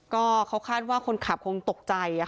ก็เขาคาดว่าคนขับคงตกใจ